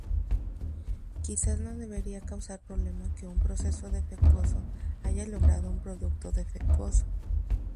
Quizás no debería causar sorpresa que un proceso defectuoso haya logrado un producto defectuoso.